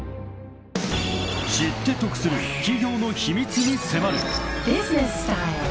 ［知って得する企業の秘密に迫る］